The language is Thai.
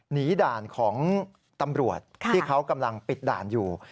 ด่านของตำรวจที่เขากำลังปิดด่านอยู่